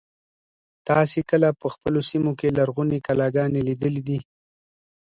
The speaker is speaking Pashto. تاسې کله په خپلو سیمو کې لرغونې کلاګانې لیدلي دي.